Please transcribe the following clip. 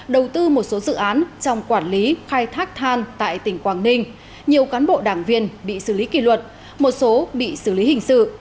đầu tư một số dự án trong quản lý khai thác than tại tỉnh quảng ninh nhiều cán bộ đảng viên bị xử lý kỷ luật một số bị xử lý hình sự